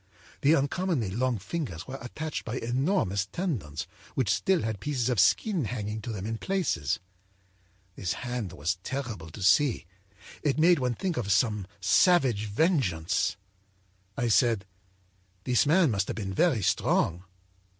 The uncommonly long fingers were attached by enormous tendons which still had pieces of skin hanging to them in places. This hand was terrible to see; it made one think of some savage vengeance. âI said: â'This man must have been very strong.'